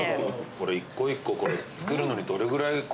一個一個これ作るのにどれぐらい。